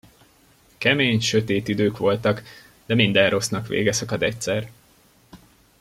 Kemény, sötét idők voltak, de minden rossznak vége szakad egyszer.